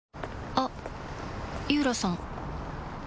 あっ井浦さん